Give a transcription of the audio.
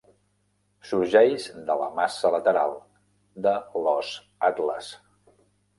Sorgeix de la massa lateral de l'os atles.